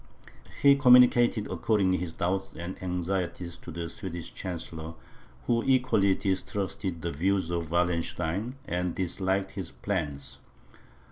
He communicated accordingly his doubts and anxieties to the Swedish chancellor, who equally distrusted the views of Wallenstein, and disliked his plans.